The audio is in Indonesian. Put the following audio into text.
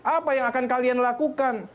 apa yang akan kalian lakukan